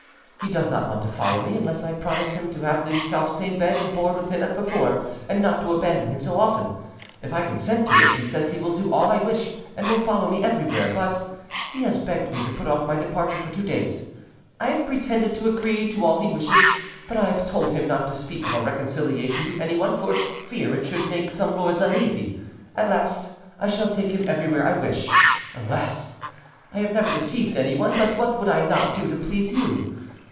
He does not want to follow me unless I promise him to have the selfsame bed and board with him as before, and not to abandon him so often. If I consent to it, he says he will do all I wish, and will follow me everywhere; but he has begged me to put off my departure for two days. I have pretended to agree to all he wishes; but I have told him not to speak of our reconciliation to anyone, for fear it should make some lords uneasy. At last I shall take him everywhere I wish.... Alas! I have never deceived anyone; but what would I not do to please you?